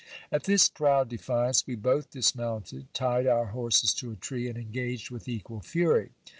At this proud defiance, we both dismounted, tied our horses to a tree, and engaged with equal fury.